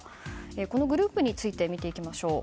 このグループについて見ていきましょう。